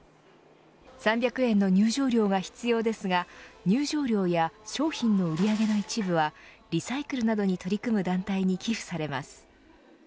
３００円の入場料が必要ですが入場料や商品の売り上げの一部はリサイクルなどに取り組む団体に寄付されます。